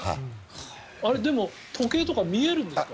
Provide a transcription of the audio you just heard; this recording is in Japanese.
でも時計とか見えるんですか？